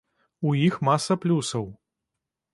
У іх маса плюсаў.